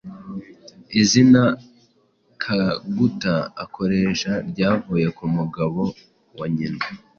Izina ‘Kaguta’ akoresha ryavuye ku mugabo wa nyina